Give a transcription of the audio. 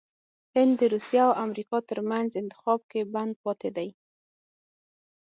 هند دروسیه او امریکا ترمنځ انتخاب کې بند پاتې دی😱